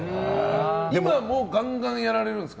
今もガンガンやられるんですか？